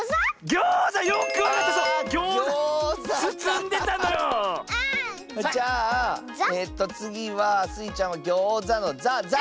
じゃあえっとつぎはスイちゃんは「ギョーザ」の「ざ」。